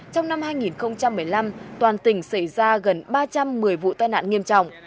trong năm hai nghìn một mươi năm toàn tỉnh xảy ra gần ba trăm một mươi vụ tai nạn nghiêm trọng